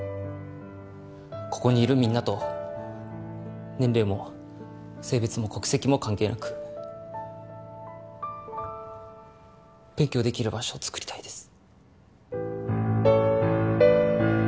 ここにいるみんなと年齢も性別も国籍も関係なく勉強できる場所をつくりたいです